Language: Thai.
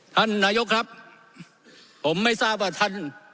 ท่านนายกครับผมไม่ทราบว่าท่าน